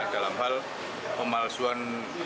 dalam hal pemalsuan